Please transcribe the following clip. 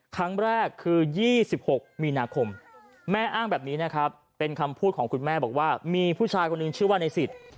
ครั้งแรกคือ๒๖มีนาคมแม่อ้างแบบนี้นะครับเป็นคำพูดของคุณแม่บอกว่ามีผู้ชายคนหนึ่งชื่อว่าในสิทธิ์